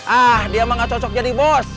ah dia emang gak cocok jadi bos